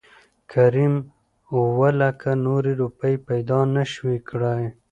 کريم اووه لکه نورې روپۍ پېدا نه شوى کړى .